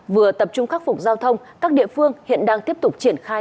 vừa tập trung khắc phục giao thông các địa phương hiện đang tiếp tục triển khai